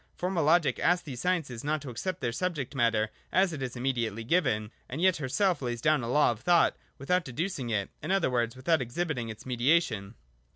Formal Logic asks these sciences not to accept their subject matter as it is immediately given ; and yet herself lays down a law of thought without deducing it, — in other words, without exhibiting its mediation.